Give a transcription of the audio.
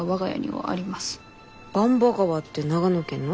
番場川って長野県の？